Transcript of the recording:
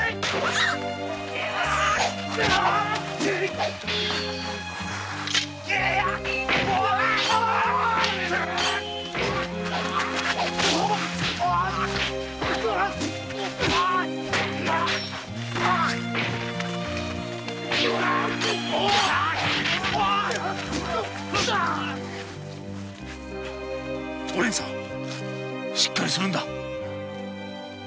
しっかりするんだ。